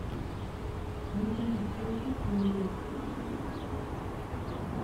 Muchas especies son migratorias.